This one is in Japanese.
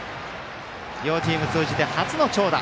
両チーム通じて初の長打。